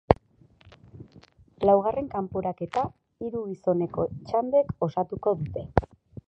Laugarren kanporaketa hiru gizoneko txandek osatuko dute.